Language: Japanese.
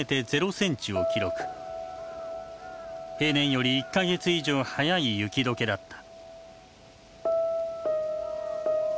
平年より１か月以上早い雪解けだった。